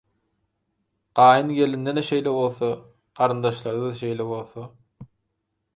gaýyngelinde-de şeýle bolsa, garyndaşlarda-da şeýle bolsa…